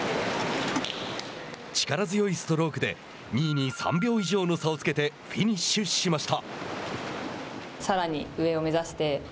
力強いストロークで２位に３秒以上の差をつけてフィニッシュしました。